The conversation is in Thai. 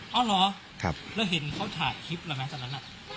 อ๋อเหรอแล้วเห็นเขาถ่ายคลิปอะไรไหมตอนนั้นน่ะ